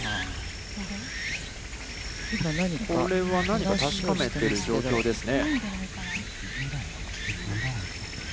これは何か確かめてる状況ですね。